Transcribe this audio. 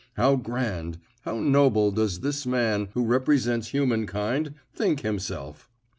How grand, how noble does this man, who represents humankind, think himself!